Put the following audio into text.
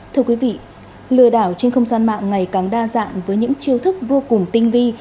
thưa quý vị lừa đảo trên không gian mạng ngày càng đa dạng với những chiêu thức vô cùng tinh vi